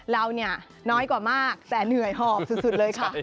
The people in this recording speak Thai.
เราเนี่ยน้อยกว่ามากแต่เหนื่อยหอบสุดเลยค่ะ